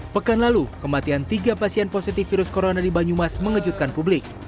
pekan lalu kematian tiga pasien positif virus corona di banyumas mengejutkan publik